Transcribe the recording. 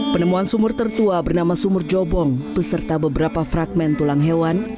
penemuan sumur tertua bernama sumur jobong beserta beberapa fragment tulang hewan